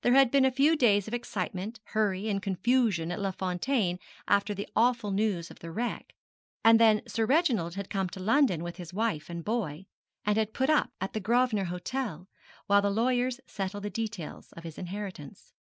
There had been a few days of excitement, hurry, and confusion at Les Fontaines after the awful news of the wreck: and then Sir Reginald had come to London with his wife and boy, and had put up at the Grosvenor Hotel while the lawyers settled the details of his inheritance.